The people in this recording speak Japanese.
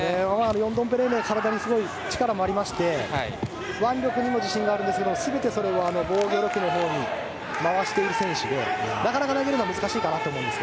ヨンドンペレンレイは体に力もありまして腕力にも自信があるんですが全て、それを防御力のほうに回している選手でなかなか投げるのは難しいと思います。